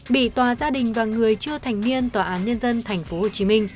bị tòa gia đình và người chưa thành niên tòa án nhân dân tp hcm